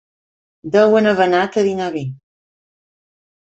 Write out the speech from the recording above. Deuen haver anat a dinar bé.